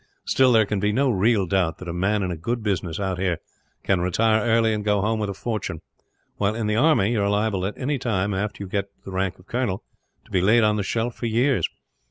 Still, there can be no real doubt that a man in a good business, out here, can retire early and go home with a fortune; while in the army you are liable at any time, after you get to the rank of colonel, to be laid on the shelf for years.